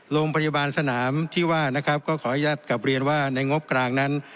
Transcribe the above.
โรงพยาบาลสนามที่ว่านะครับก็ขออนุญาตกลับเรียนว่าในงบกลางนั้น